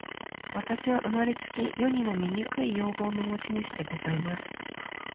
私は生れつき、世にも醜い容貌の持主でございます。